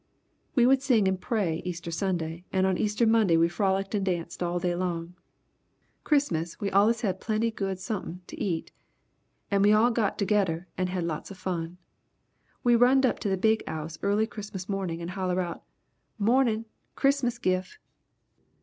"We would sing and pray Easter Sunday and on Easter Monday we frolicked and danced all day long! Christmas we allus had plenty good sumpin' to eat and we all got togedder and had lots of fun. We runned up to the big 'ouse early Christmas mornin' and holler out: 'Mornin', Christmas Gif'!'